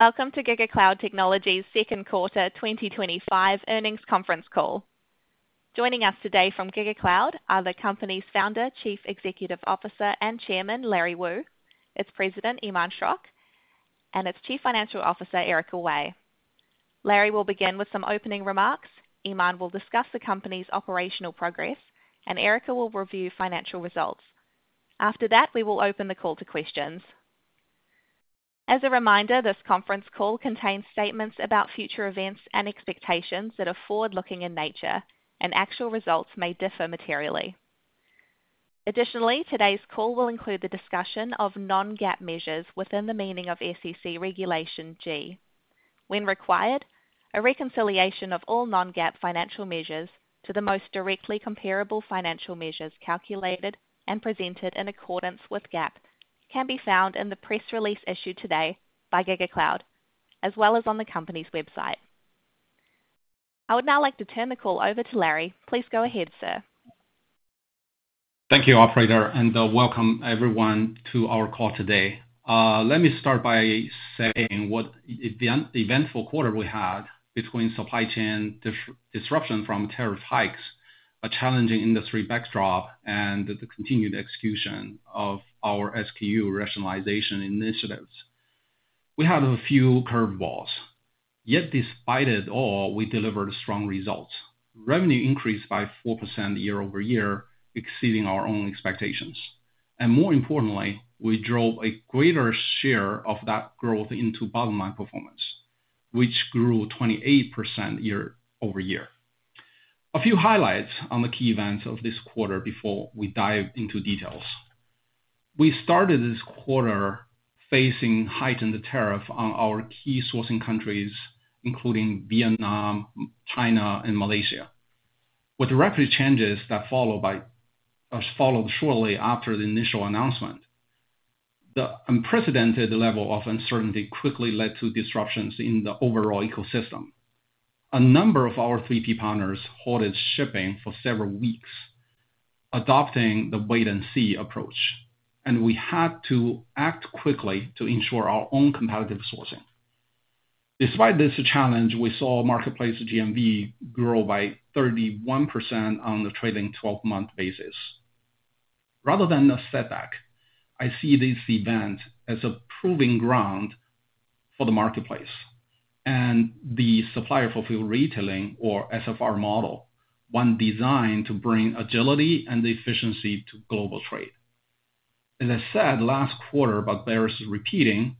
Welcome to GigaCloud Technology's Second Quarter 2025 Earnings Conference Call. Joining us today from GigaCloud Technology Inc. are the company's Founder, Chief Executive Officer, and Chairman, Larry Wu, its President, Iman Schrock, and its Chief Financial Officer, Erica Wei. Larry will begin with some opening remarks, Iman will discuss the company's operational progress, and Erica will review financial results. After that, we will open the call to questions. As a reminder, this conference call contains statements about future events and expectations that are forward-looking in nature, and actual results may differ materially. Additionally, today's call will include the discussion of non-GAAP measures within the meaning of SEC Regulation G. When required, a reconciliation of all non-GAAP financial measures to the most directly comparable financial measures calculated and presented in accordance with GAAP can be found in the press release issued today by GigaCloud, as well as on the company's website. I would now like to turn the call over to Larry. Please go ahead, sir. Thank you, operator, and welcome everyone to our call today. Let me start by saying what an eventful quarter we had between supply chain disruption from tariff hikes, a challenging industry backdrop, and the continued execution of our SKU rationalization initiatives. We had a few curveballs. Yet, despite it all, we delivered strong results. Revenue increased by 4% year-over-year, exceeding our own expectations. More importantly, we drove a greater share of that growth into bottom-line performance, which grew 28% year-over-year. A few highlights on the key events of this quarter before we dive into details. We started this quarter facing heightened tariffs on our key sourcing countries, including Vietnam, China, and Malaysia. With rapid changes that followed shortly after the initial announcement, the unprecedented level of uncertainty quickly led to disruptions in the overall ecosystem. A number of our 3P partners halted shipping for several weeks, adopting the wait-and-see approach, and we had to act quickly to ensure our own competitive sourcing. Despite this challenge, we saw marketplace GMV grow by 31% on the trailing 12-month basis. Rather than a setback, I see this event as a proving ground for the marketplace and the Supplier Fulfilled Retailing, or SFR, model, one designed to bring agility and efficiency to global trade. As I said last quarter, but it bears repeating,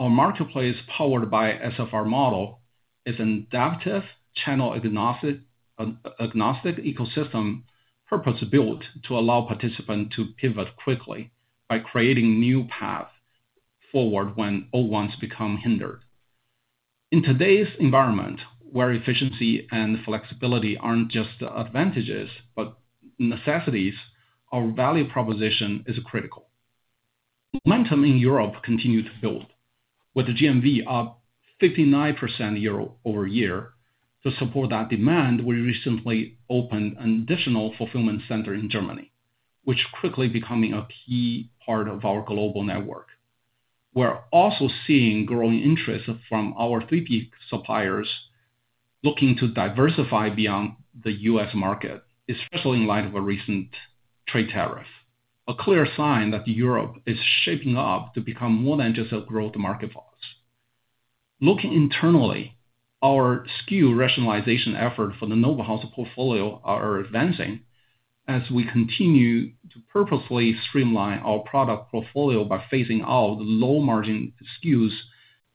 our marketplace, powered by the SFR model, is an adaptive, channel-agnostic ecosystem, purpose-built to allow participants to pivot quickly by creating a new path forward when old ones become hindered. In today's environment, where efficiency and flexibility aren't just advantages but necessities, our value proposition is critical. Momentum in Europe continues to build, with the GMV up 59% year-over-year. To support that demand, we recently opened an additional fulfillment center in Germany, which is quickly becoming a key part of our global network. We're also seeing growing interest from our 3P suppliers looking to diversify beyond the U.S. market, especially in light of a recent trade tariff, a clear sign that Europe is shaping up to become more than just a growth market for us. Looking internally, our SKU rationalization efforts for the Noble House portfolio are advancing as we continue to purposely streamline our product portfolio by phasing out low-margin SKUs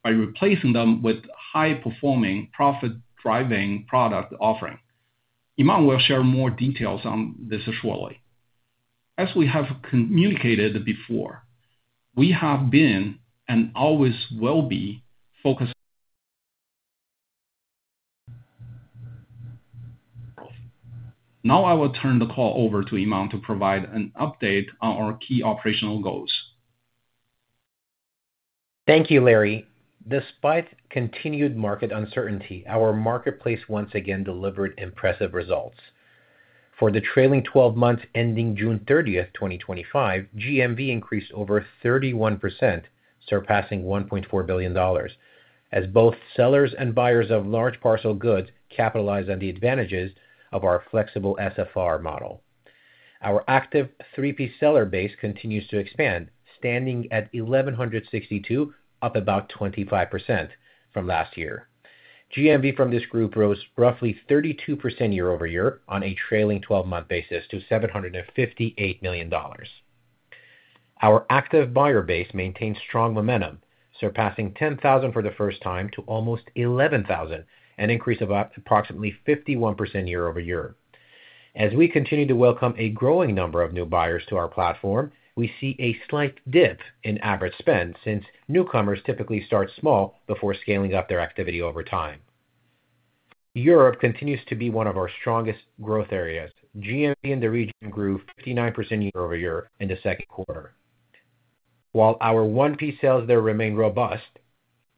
and replacing them with high-performing, profit-driving product offerings. Iman will share more details on this shortly. As we have communicated before, we have been and always will be focused. Now I will turn the call over to Iman to provide an update on our key operational goals. Thank you, Larry. Despite continued market uncertainty, our marketplace once again delivered impressive results. For the trailing 12 months ending June 30th, 2025, GMV increased over 31%, surpassing $1.4 billion, as both sellers and buyers of large parcel goods capitalized on the advantages of our flexible SFR model. Our active 3P seller base continues to expand, standing at 1,162, up about 25% from last year. GMV from this group rose roughly 32% year-over-year on a trailing 12-month basis to $758 million. Our active buyer base maintains strong momentum, surpassing 10,000 for the first time to almost 11,000, an increase of approximately 51% year-over-year. As we continue to welcome a growing number of new buyers to our platform, we see a slight dip in average spend since newcomers typically start small before scaling up their activity over time. Europe continues to be one of our strongest growth areas. GMV in the region grew 59% year-over-year in the second quarter. While our 1P sales there remain robust,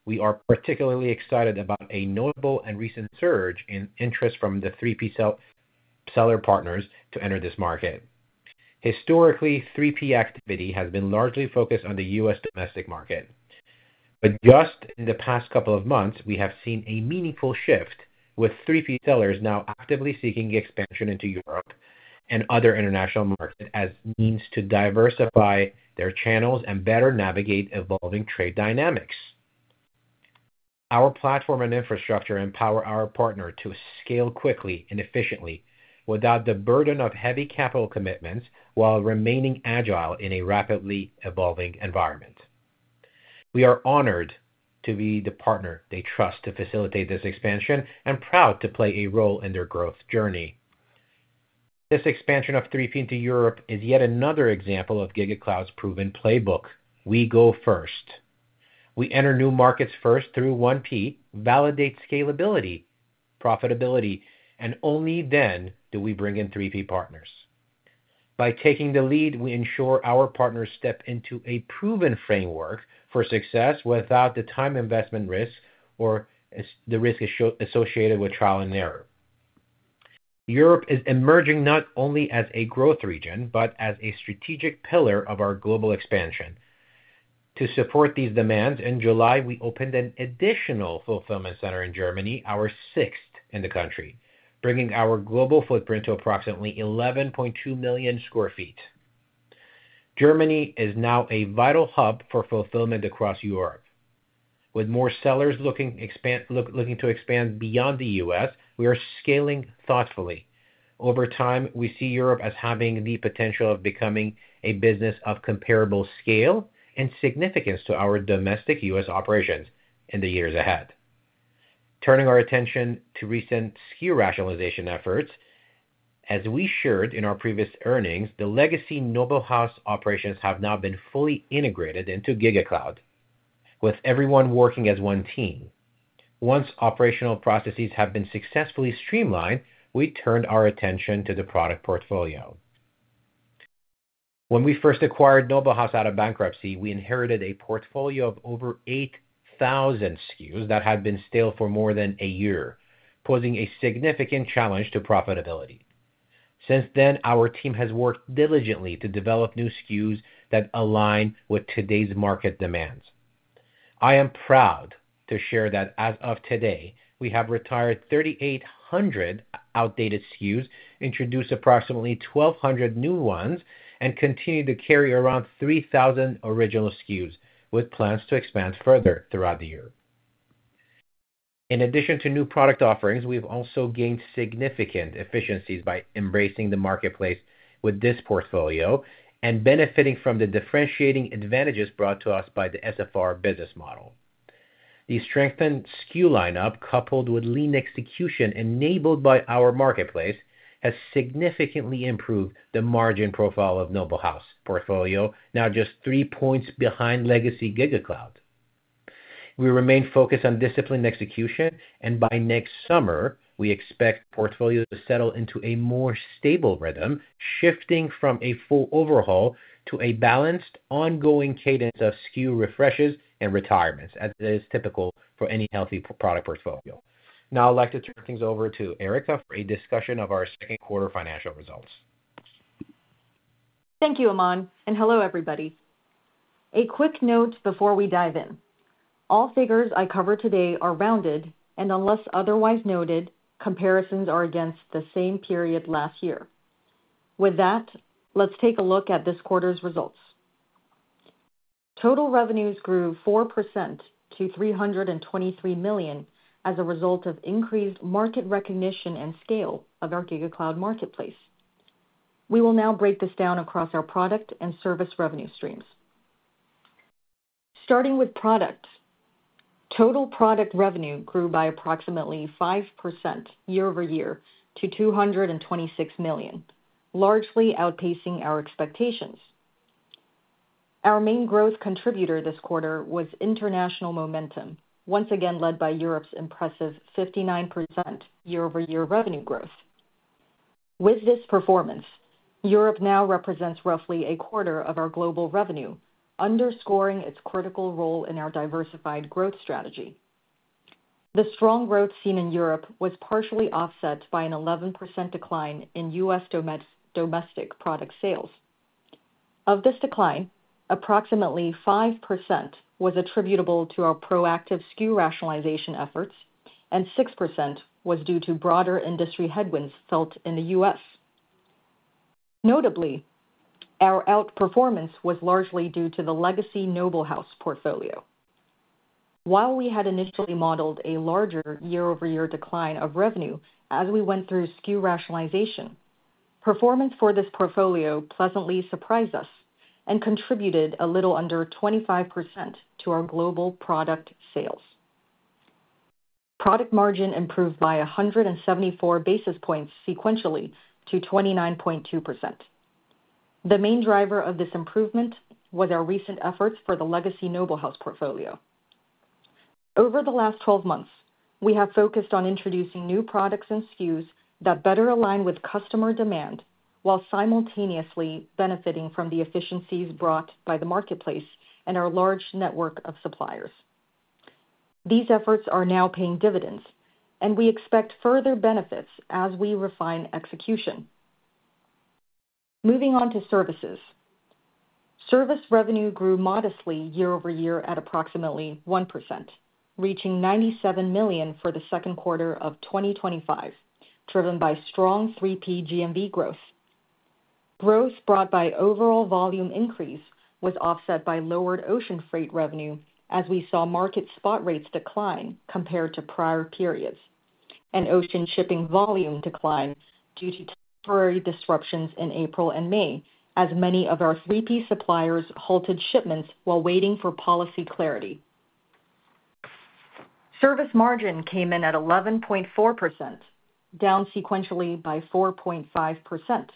we are particularly excited about a notable and recent surge in interest from the 3P seller partners to enter this market. Historically, 3P activity has been largely focused on the U.S. domestic market. Just in the past couple of months, we have seen a meaningful shift, with 3P sellers now actively seeking expansion into Europe and other international markets as a means to diversify their channels and better navigate evolving trade dynamics. Our platform and infrastructure empower our partners to scale quickly and efficiently without the burden of heavy capital commitments while remaining agile in a rapidly evolving environment. We are honored to be the partner they trust to facilitate this expansion and proud to play a role in their growth journey. This expansion of 3P into Europe is yet another example of GigaCloud's proven playbook: we go first. We enter new markets first through 1P, validate scalability, profitability, and only then do we bring in 3P partners. By taking the lead, we ensure our partners step into a proven framework for success without the time investment risk or the risk associated with trial and error. Europe is emerging not only as a growth region but as a strategic pillar of our global expansion. To support these demands, in July, we opened an additional fulfillment center in Germany, our sixth in the country, bringing our global footprint to approximately 11.2 million square feet. Germany is now a vital hub for fulfillment across Europe. With more sellers looking to expand beyond the U.S., we are scaling thoughtfully. Over time, we see Europe as having the potential of becoming a business of comparable scale and significance to our domestic U.S. operations in the years ahead. Turning our attention to recent SKU rationalization efforts, as we shared in our previous earnings, the legacy Noble House operations have now been fully integrated into GigaCloud, with everyone working as one team. Once operational processes have been successfully streamlined, we turned our attention to the product portfolio. When we first acquired Noble House out of bankruptcy, we inherited a portfolio of over 8,000 SKUs that had been stale for more than a year, posing a significant challenge to profitability. Since then, our team has worked diligently to develop new SKUs that align with today's market demands. I am proud to share that as of today, we have retired 3,800 outdated SKUs, introduced approximately 1,200 new ones, and continue to carry around 3,000 original SKUs, with plans to expand further throughout the year. In addition to new product offerings, we've also gained significant efficiencies by embracing the marketplace with this portfolio and benefiting from the differentiating advantages brought to us by the SFR model. The strengthened SKU lineup, coupled with lean execution enabled by our marketplace, has significantly improved the margin profile of the Noble House portfolio, now just three points behind legacy GigaCloud. We remain focused on disciplined execution, and by next summer, we expect the portfolio to settle into a more stable rhythm, shifting from a full overhaul to a balanced, ongoing cadence of SKU refreshes and retirements, as is typical for any healthy product portfolio. Now I'd like to turn things over to Erica for a discussion of our second quarter financial results. Thank you, Iman, and hello, everybody. A quick note before we dive in: all figures I cover today are rounded, and unless otherwise noted, comparisons are against the same period last year. With that, let's take a look at this quarter's results. Total revenues grew 4% to $323 million as a result of increased market recognition and scale of our GigaCloud Marketplace. We will now break this down across our product and service revenue streams. Starting with product, total product revenue grew by approximately 5% year-over-year to $226 million, largely outpacing our expectations. Our main growth contributor this quarter was international momentum, once again led by Europe's impressive 59% year-over-year revenue growth. With this performance, Europe now represents roughly a quarter of our global revenue, underscoring its critical role in our diversified growth strategy. The strong growth seen in Europe was partially offset by an 11% decline in U.S. domestic product sales. Of this decline, approximately 5% was attributable to our proactive SKU rationalization efforts, and 6% was due to broader industry headwinds felt in the U.S. Notably, our outperformance was largely due to the legacy Noble House portfolio. While we had initially modeled a larger year-over-year decline of revenue as we went through SKU rationalization, performance for this portfolio pleasantly surprised us and contributed a little under 25% to our global product sales. Product margin improved by 174 basis points sequentially to 29.2%. The main driver of this improvement was our recent efforts for the legacy Noble House portfolio. Over the last 12 months, we have focused on introducing new products and SKUs that better align with customer demand while simultaneously benefiting from the efficiencies brought by the marketplace and our large network of suppliers. These efforts are now paying dividends, and we expect further benefits as we refine execution. Moving on to services, service revenue grew modestly year over year at approximately 1%, reaching $97 million for the second quarter of 2025, driven by strong 3P GMV growth. Growth brought by overall volume increase was offset by lowered ocean freight revenue, as we saw market spot rates decline compared to prior periods and ocean shipping volume decline due to temporary disruptions in April and May, as many of our 3P suppliers halted shipments while waiting for policy clarity. Service margin came in at 11.4%, down sequentially by 4.5%,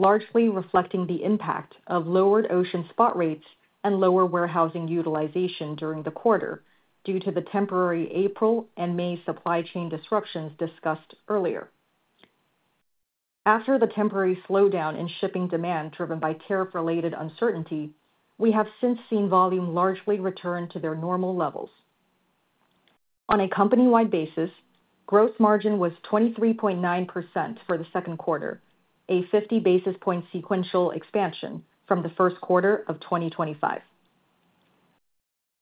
largely reflecting the impact of lowered ocean spot rates and lower warehousing utilization during the quarter due to the temporary April and May supply chain disruptions discussed earlier. After the temporary slowdown in shipping demand driven by tariff-related uncertainty, we have since seen volume largely return to their normal levels. On a company-wide basis, gross margin was 23.9% for the second quarter, a 50 basis point sequential expansion from the first quarter of 2025.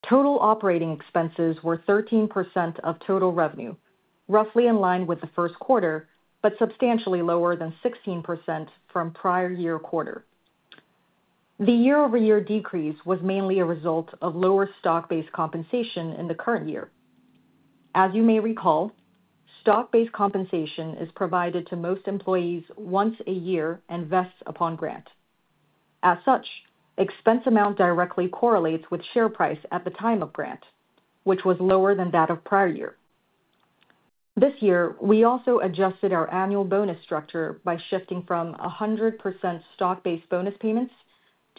Total operating expenses were 13% of total revenue, roughly in line with the first quarter, but substantially lower than 16% from prior year quarter. The year-over-year decrease was mainly a result of lower stock-based compensation in the current year. As you may recall, stock-based compensation is provided to most employees once a year and vests upon grant. As such, expense amount directly correlates with share price at the time of grant, which was lower than that of prior year. This year, we also adjusted our annual bonus structure by shifting from 100% stock-based bonus payments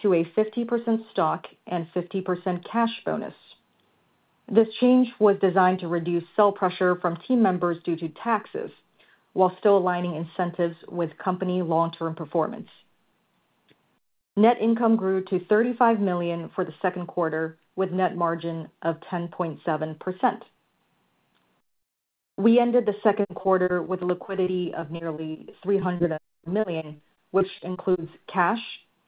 to a 50% stock and 50% cash bonus. This change was designed to reduce sell pressure from team members due to taxes while still aligning incentives with company long-term performance. Net income grew to $35 million for the second quarter, with a net margin of 10.7%. We ended the second quarter with liquidity of nearly $300 million, which includes cash,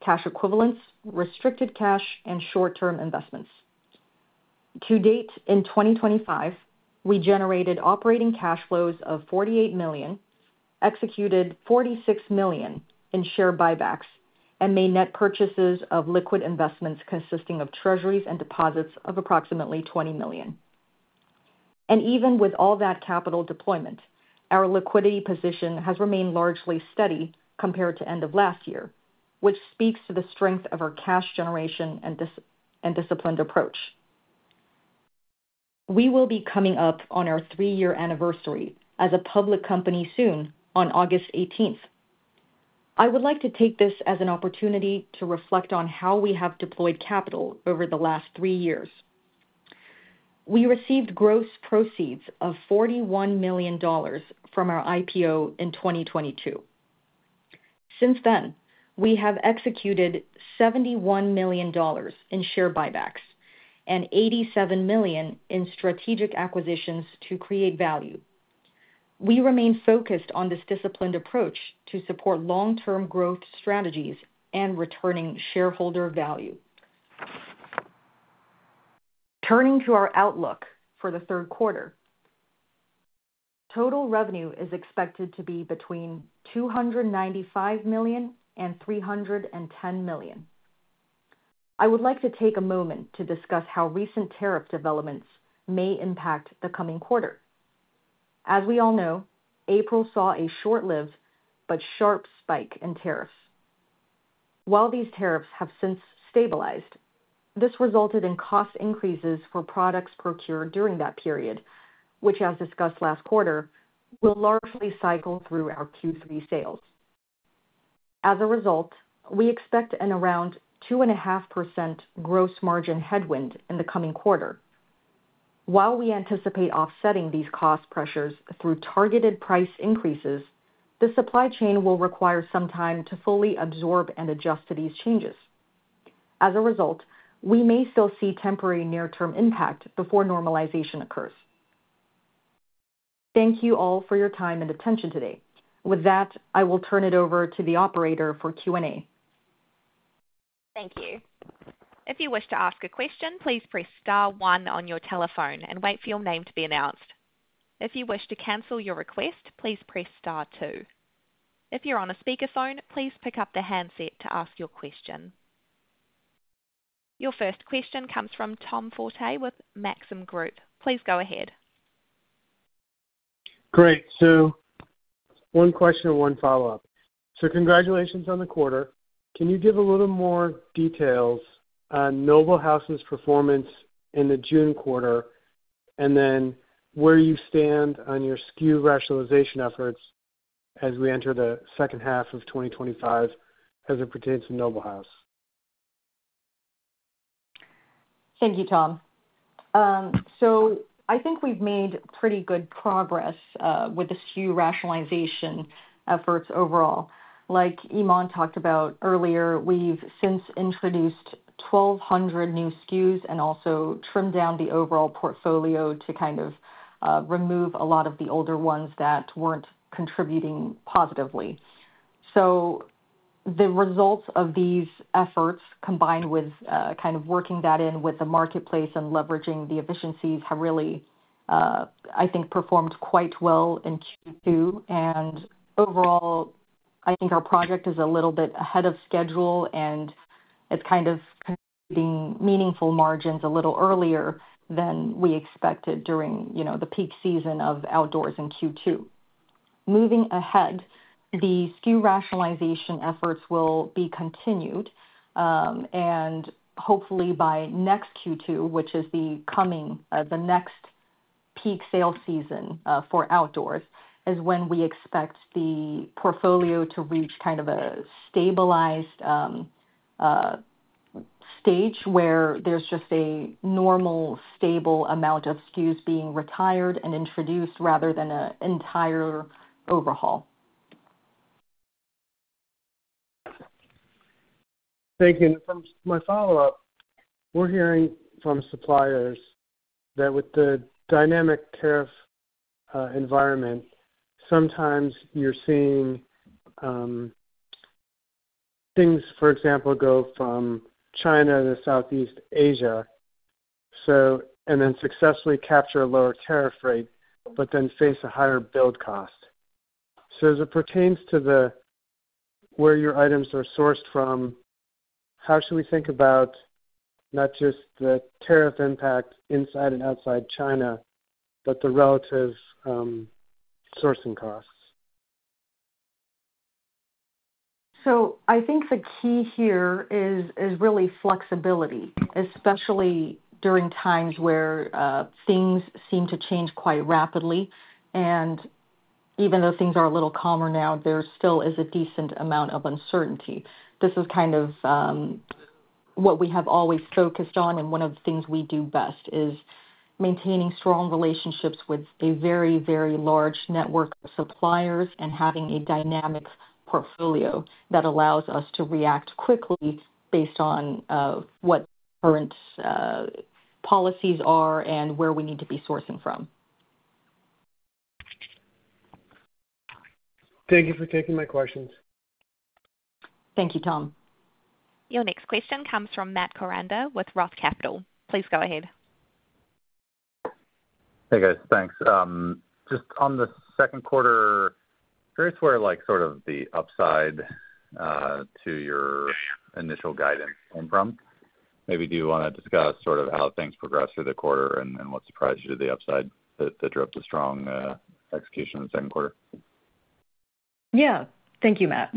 cash equivalents, restricted cash, and short-term investments. To date, in 2025, we generated operating cash flows of $48 million, executed $46 million in share buybacks, and made net purchases of liquid investments consisting of treasuries and deposits of approximately $20 million. Even with all that capital deployment, our liquidity position has remained largely steady compared to end of last year, which speaks to the strength of our cash generation and disciplined approach. We will be coming up on our three-year anniversary as a public company soon on August 18th. I would like to take this as an opportunity to reflect on how we have deployed capital over the last three years. We received gross proceeds of $41 million from our IPO in 2022. Since then, we have executed $71 million in share buybacks and $87 million in strategic acquisitions to create value. We remain focused on this disciplined approach to support long-term growth strategies and returning shareholder value. Turning to our outlook for the third quarter, total revenue is expected to be between $295 million and $310 million. I would like to take a moment to discuss how recent tariff developments may impact the coming quarter. As we all know, April saw a short-lived but sharp spike in tariffs. While these tariffs have since stabilized, this resulted in cost increases for products procured during that period, which, as discussed last quarter, will largely cycle through our Q3 sales. As a result, we expect an around 2.5% gross margin headwind in the coming quarter. While we anticipate offsetting these cost pressures through targeted price increases, the supply chain will require some time to fully absorb and adjust to these changes. As a result, we may still see temporary near-term impact before normalization occurs. Thank you all for your time and attention today. With that, I will turn it over to the operator for Q&A. Thank you. If you wish to ask a question, please press star one on your telephone and wait for your name to be announced. If you wish to cancel your request, please press star two. If you're on a speakerphone, please pick up the handset to ask your question. Your first question comes from Tom Forte with Maxim Group. Please go ahead. Great. One question and one follow-up. Congratulations on the quarter. Can you give a little more details on Noble House's performance in the June quarter, and then where you stand on your SKU rationalization efforts as we enter the second half of 2025 as it pertains to Noble House? Thank you, Tom. I think we've made pretty good progress with the SKU rationalization efforts overall. Like Iman talked about earlier, we've since introduced 1,200 new SKUs and also trimmed down the overall portfolio to remove a lot of the older ones that weren't contributing positively. The results of these efforts, combined with working that in with the marketplace and leveraging the efficiencies, have really, I think, performed quite well in Q2. Overall, I think our project is a little bit ahead of schedule, and it's bringing meaningful margins a little earlier than we expected during the peak season of outdoors in Q2. Moving ahead, the SKU rationalization efforts will be continued. Hopefully, by next Q2, which is the next peak sales season for outdoors, is when we expect the portfolio to reach a stabilized stage where there's just a normal, stable amount of SKUs being retired and introduced rather than an entire overhaul. Thank you. For my follow-up, we're hearing from suppliers that with the dynamic tariff environment, sometimes you're seeing things, for example, go from China to Southeast Asia and then successfully capture a lower tariff rate, but then face a higher build cost. As it pertains to where your items are sourced from, how should we think about not just the tariff impact inside and outside China, but the relative sourcing costs? I think the key here is really flexibility, especially during times where things seem to change quite rapidly. Even though things are a little calmer now, there still is a decent amount of uncertainty. This is kind of what we have always focused on, and one of the things we do best is maintaining strong relationships with a very, very large network of suppliers and having a dynamic portfolio that allows us to react quickly based on what current policies are and where we need to be sourcing from. Thank you for taking my questions. Thank you, Tom. Your next question comes from Matt Koranda with ROTH Capital. Please go ahead. Hey, guys. Thanks. Just on the second quarter, curious where sort of the upside to your initial guidance came from. Maybe do you want to discuss sort of how things progressed through the quarter and what surprised you with the upside that drove the strong execution in the second quarter? Thank you, Matt.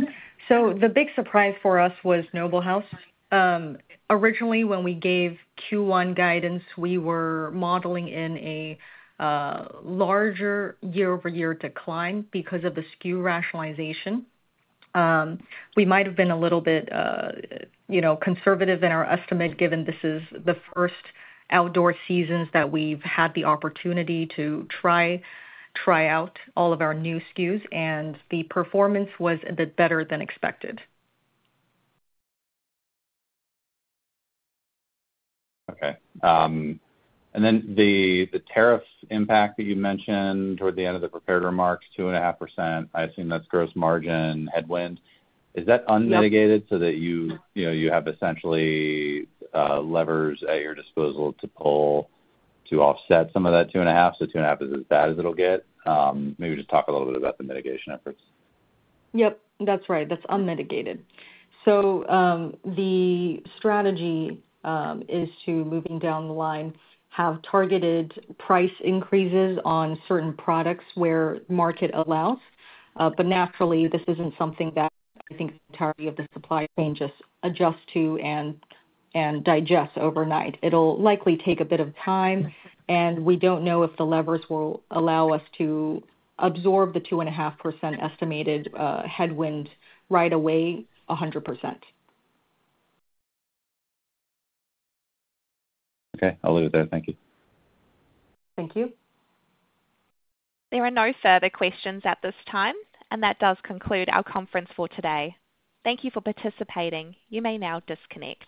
The big surprise for us was Noble House. Originally, when we gave Q1 guidance, we were modeling in a larger year-over-year decline because of the SKU rationalization. We might have been a little bit conservative in our estimate given this is the first outdoor seasons that we've had the opportunity to try out all of our new SKUs, and the performance was a bit better than expected. Okay. The tariff impact that you mentioned toward the end of the prepared remarks, 2.5%, I assume that's gross margin headwind. Is that unmitigated so that you have essentially levers at your disposal to pull to offset some of that 2.5%? 2.5% is as bad as it'll get. Maybe just talk a little bit about the mitigation efforts. Yep. That's right. That's unmitigated. The strategy is to, moving down the line, have targeted price increases on certain products where the market allows. Naturally, this isn't something that we think the entirety of the supply chain just adjusts to and digests overnight. It'll likely take a bit of time, and we don't know if the levers will allow us to absorb the 2.5% estimated headwind right away 100%. Okay. I'll leave it there. Thank you. Thank you. There are no further questions at this time, and that does conclude our conference for today. Thank you for participating. You may now disconnect.